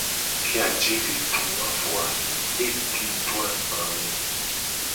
Ke ajele du nu a vo a, edido agba me.